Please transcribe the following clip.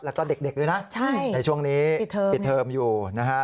แล้วก็เด็กด้วยนะในช่วงนี้ปิดเทอมอยู่นะฮะ